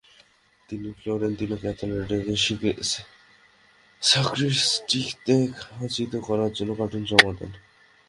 তিনি ফ্লোরেন্তিন ক্যাথেড্রালের সাক্রিস্টিতে খচিত করার জন্য কার্টুন জমা দেন।